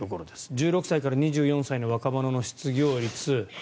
１６歳から２４歳の若者の失業率